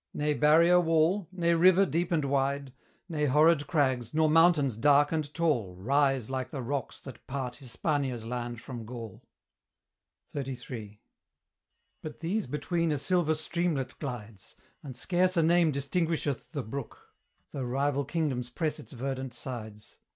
Ne barrier wall, ne river deep and wide, Ne horrid crags, nor mountains dark and tall Rise like the rocks that part Hispania's land from Gaul XXXIII. But these between a silver streamlet glides, And scarce a name distinguisheth the brook, Though rival kingdoms press its verdant sides.